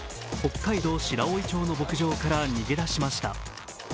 北海道白老町の牧場から逃げ出しました。